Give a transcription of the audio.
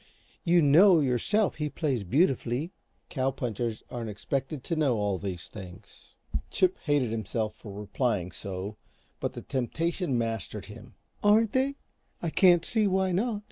You know yourself, he plays beautifully." "Cow punchers aren't expected to know all these things." Chip hated himself for replying so, but the temptation mastered him. "Aren't they? I can't see why not."